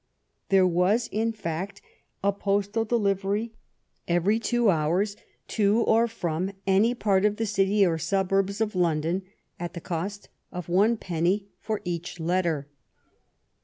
There was, in fact, a postal delivery every two hours to or from any part of the city or suburbs of London at the cost of one penny for each letter.